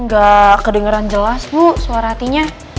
gak kedengeran jelas bu suara hatinya